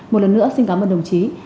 một lần nữa xin cảm ơn đồng chí